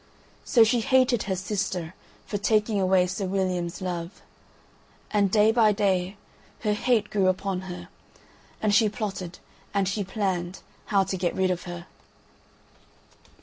So she hated her sister for taking away Sir William's love, and day by day her hate grew upon her, and she plotted and she planned how to get rid of her.